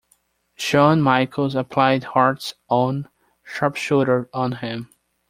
Shawn Michaels applied Hart's own Sharpshooter on him.